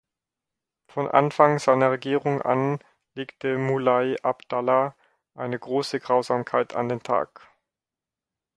Von Anfang seiner Regierung an legte Mulai Abdallah eine große Grausamkeit an den Tag.